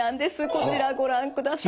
こちらご覧ください。